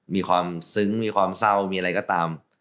มีความซึ้งมีความเศร้ามีอะไรก็ตาม